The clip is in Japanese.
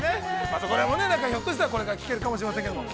◆そこら辺も、ひょっとしたらこれから、聞けるかもしれませんけれども。